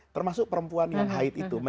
termasuk perempuan yang haid itu